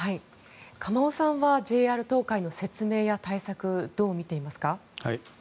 鎌尾さんはＪＲ東海の説明や対策はどう見ていますか。